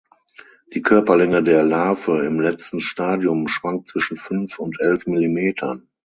Die Körperlänge der Larve im letzten Stadium schwankt zwischen fünf und elf Millimetern.